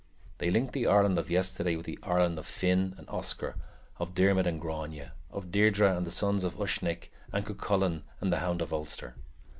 They linked the Ireland of yesterday with the Ireland of Finn and Oscar, of Diarmid and Grainne, of Deirdre and the Sons of Usnech, of Cuchulainn the Hound of Ulster.